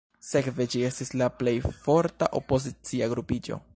Sekve ĝi estis la plej forta opozicia grupiĝo.